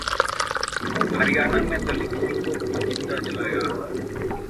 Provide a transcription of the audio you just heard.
हरियाणा में दलित युवक को जिंदा जलाया